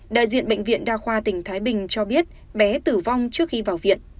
đại diện bệnh viện đa khoa tỉnh thái bình cho biết bé tử vong trước khi vào viện